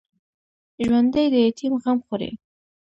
ژوندي د یتیم غم خوري